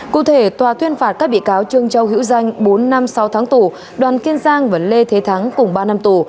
cụ thể tòa tuyên phạt các bị cáo trương châu hữu danh bốn năm sáu tháng tù đoàn kiên giang và lê thế thắng cùng ba năm tù